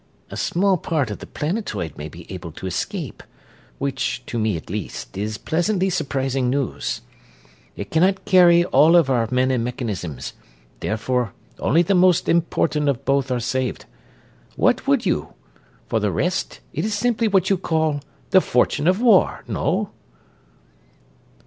"A small part of the planetoid may be able to escape; which, to me at least, is pleasantly surprising news. It cannot carry all of our men and mechanisms, therefore only the most important of both are saved. What would you? For the rest it is simply what you call 'the fortune of war,' no?"